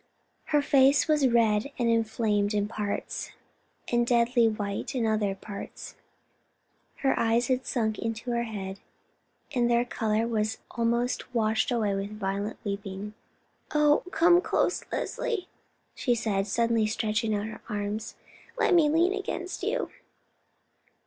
Her face was red and inflamed in parts, and deadly white in other parts, her eyes had sunk into her head, and their color was almost washed away with violent weeping. "Oh, come close, Leslie," she said, suddenly stretching out her arms; "let me lean against you."